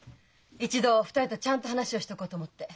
一度２人とちゃんと話をしとこうと思って。